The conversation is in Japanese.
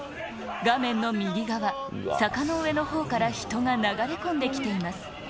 画面の右側、坂の上のほうから人が流れ込んできています。